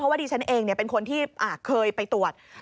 ว่าดิฉันเองเป็นคนที่เคยไปตรวจ